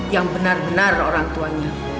yang benar benar orang tuanya